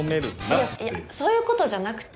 いやいやそういうことじゃなくて。